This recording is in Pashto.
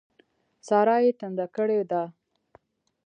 سارا يې ټنډه کړې ده.